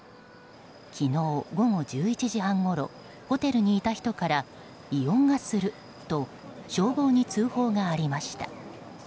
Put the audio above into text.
昨日午後１１時半ごろホテルにいた人から異音がすると消防に通報がありました。